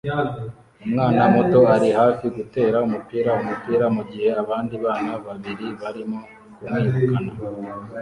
Umwana muto ari hafi gutera umupira umupira mugihe abandi bana babiri barimo kumwirukana